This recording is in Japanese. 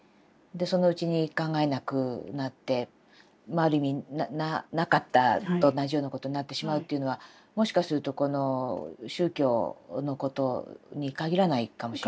そのうちに考えなくなってまあある意味なかったと同じようなことになってしまうっていうのはもしかするとこの宗教のことに限らないかもしれないですね。